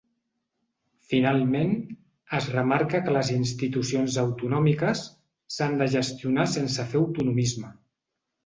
Finalment, es remarca que les institucions autonòmiques “s’han de gestionar sense fer autonomisme”.